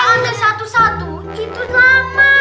kalo ada satu satu itu lama